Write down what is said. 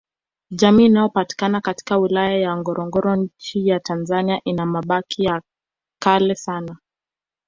Jamii inayopatikana katika wilaya ya Ngorongoro Nchi ya tanzania ina mabaki ya kale sana